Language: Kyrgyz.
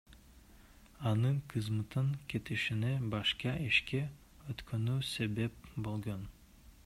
Анын кызматтан кетишине башка ишке өткөнү себеп болгон.